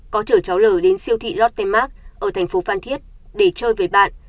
có chở cháu l đến siêu thị lotte mark ở thành phố phàn thiết để chơi với bạn